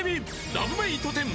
ラブメイト１０